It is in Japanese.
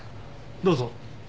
どうぞ。